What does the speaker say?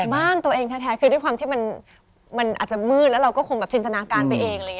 บ้านตัวเองแท้คือด้วยความที่มันอาจจะมืดแล้วเราก็คงจินจนาการไปเอง